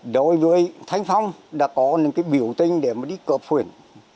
đối với thanh phong đã có những cái biểu tình để mà đi cỡ phuyển